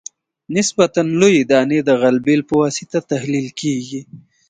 نسبتاً لویې دانې د غلبیل په واسطه تحلیل کیږي